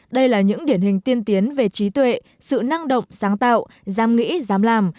đây là những điển hình tiên tiến về trí tuệ sự năng động sáng tạo dám nghĩ dám làm